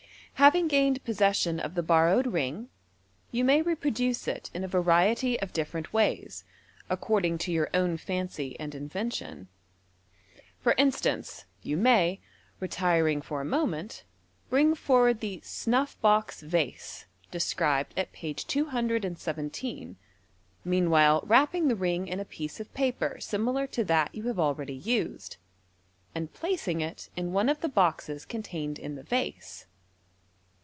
Having gained possession of the borrowed ring, you may repro duce it in a variety of different ways, according to your own fancy and invention. For instance, you may, retiring for a moment, bring forward the "snuff b <x vase" described at page ai7i meanwhile wrapping the ring in a piece of paper similar to that you have already used, and placing it in one of the boxes contained in the vase.